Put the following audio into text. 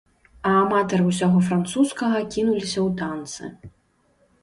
А аматары ўсяго французскага кінуліся ў танцы.